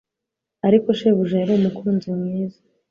Ariko shebuja yari umukunzi mwiza